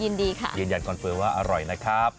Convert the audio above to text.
ยินดีค่ะยืนยันคอนเฟิร์มว่าอร่อยนะครับ